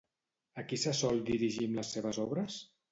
A qui se sol dirigir amb les seves obres?